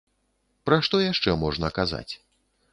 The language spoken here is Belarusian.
Пра што яшчэ можна казаць?